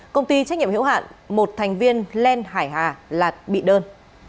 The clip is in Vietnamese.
công ty trách nhiệm hiểu hạn một thành viên len hải hà là bị đơn